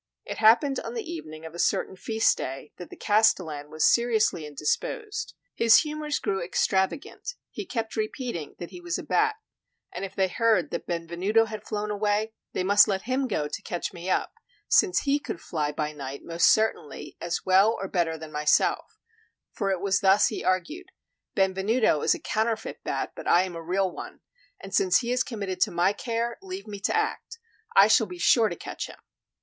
It happened on the evening of a certain feast day that the castellan was seriously indisposed; his humors grew extravagant; he kept repeating that he was a bat, and if they heard that Benvenuto had flown away, they must let him go to catch me up, since he could fly by night most certainly "as well or better than myself"; for it was thus he argued: "Benvenuto is a counterfeit bat, but I am a real one; and since he is committed to my care, leave me to act; I shall be sure to catch him."